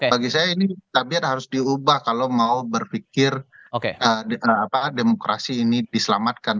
bagi saya ini tabiat harus diubah kalau mau berpikir demokrasi ini diselamatkan